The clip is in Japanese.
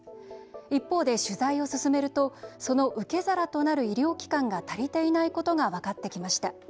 一方で取材を進めるとその受け皿となる医療機関が足りていないことが分かってきました。